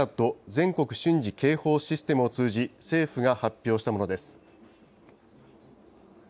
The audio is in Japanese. ・全国瞬時警報システムを通じ、政府が発表したものです。